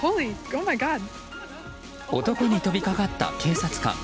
男に飛び掛かった警察官。